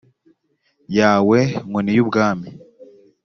yawe nkoni y ubwami